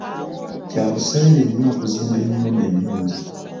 Kya buseere nnyo okuzimba ennyumba ennungi .